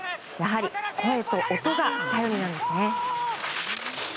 やはり声と音が頼りなんですね。